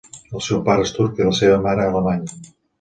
El seu pare és turc i la seva mare alemanya.